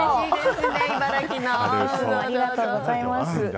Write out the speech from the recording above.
ありがとうございます。